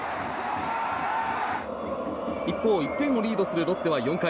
一方、１点をリードするロッテは４回。